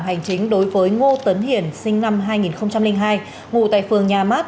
hành chính đối với ngô tấn hiển sinh năm hai nghìn hai ngụ tại phường nhà mát